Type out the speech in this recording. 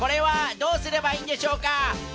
どうすればいいんでしょうか？